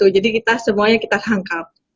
jadi kita semuanya kita rangkap